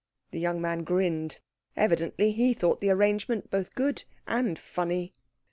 The young man grinned. Evidently he thought the arrangement both good and funny.